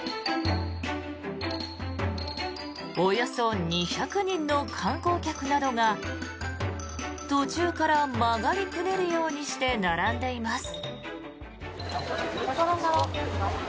およそ２００人の観光客などが途中から曲がりくねるようにして並んでいます。